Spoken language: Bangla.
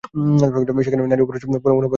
সেখানে নারী ও পুরুষের অনুপাত এক-চতুর্থাংশ।